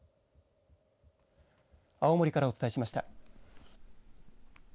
青森からお伝えしました。